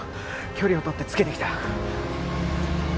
距離をとってつけてきた